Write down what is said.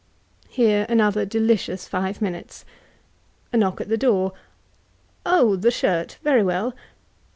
Here another delicious five minutes. A knock at the door; "Oh, the shirt — very well.